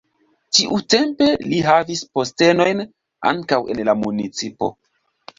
Tiutempe li havis postenojn ankaŭ en la municipo.